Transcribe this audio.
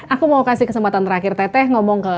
aku mau kasih kesempatan terakhir teteh ngomong ke